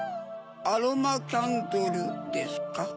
アロマキャンドルですか？